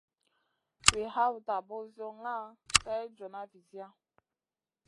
Wi hawta ɓozioŋa kay joona viziya.